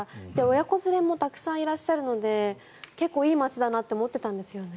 親子連れもたくさんいらっしゃるので結構いい街だなと思っていたんですよね。